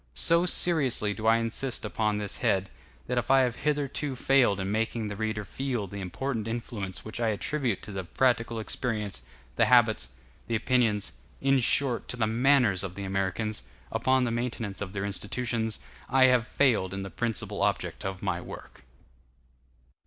So seriously do I insist upon this head, that if I have hitherto failed in making the reader feel the important influence which I attribute to the practical experience, the habits, the opinions, in short, to the manners of the Americans, upon the maintenance of their institutions, I have failed in the principal object of my work.